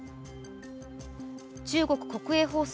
中国国営放送